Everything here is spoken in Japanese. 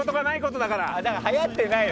だから、はやってないよ